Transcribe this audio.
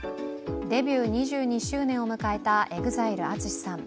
デビュー２２周年を迎えたＥＸＩＬＥ・ＡＴＳＵＳＨＩさん。